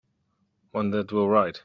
One that will write.